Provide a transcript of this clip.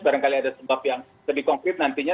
barangkali ada sebab yang lebih konkret nantinya